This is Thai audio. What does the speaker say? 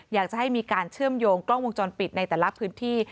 อยากจะให้มีการเชื่อมโยงกล้องวงจรปิดในแต่ละพื้นที่